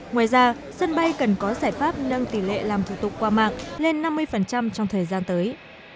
ngoài ra sân bay cần có giải pháp nâng tỷ lệ làm thủ tục qua mạng lên năm mươi trong thời gian tới